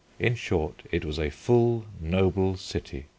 In short, it was a "full nobill cite."